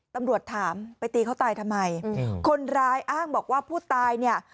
ตำรวจถามไปตีเขาตายทำไมคนร้ายอ้างบอกว่าผู้ตายเนี่ย